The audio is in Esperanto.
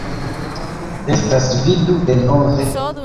Estas vi du denove?!